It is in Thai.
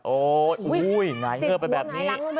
โอ้ยไหนเงินไปแบบนี้